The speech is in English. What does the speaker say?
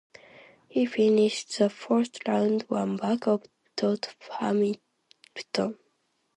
He finished the first round one back of Todd Hamilton.